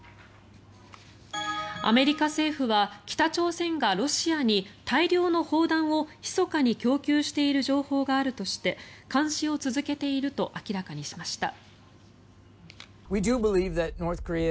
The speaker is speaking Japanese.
アメリカ政府は北朝鮮がロシアに大量の砲弾をひそかに供給している情報があるとして監視を続けていると明らかにしました。